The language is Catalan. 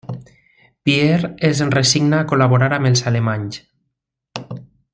Pierre es resigna a col·laborar amb els alemanys.